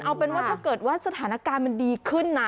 เอาเป็นว่าถ้าเกิดว่าสถานการณ์มันดีขึ้นนะ